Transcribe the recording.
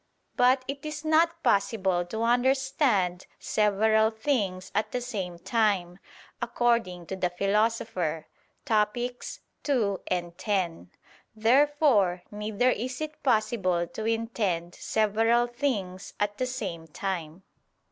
But "it is not possible to understand several things at the same time," according to the Philosopher (Topic. ii, 10). Therefore neither is it possible to intend several things at the same time.